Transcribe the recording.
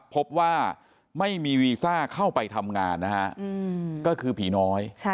พบว่าไม่มีวีซ่าเข้าไปทำงานนะฮะก็คือผีน้อย